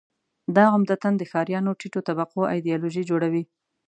دا عمدتاً د ښاریانو ټیټو طبقو ایدیالوژي جوړوي.